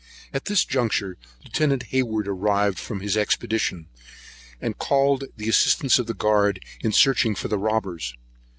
At this juncture Lieut. Hayward arrived from his expedition, and called the assistance of the guard in searching for the robbers.